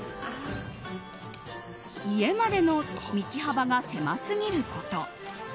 家までの道幅が狭すぎること。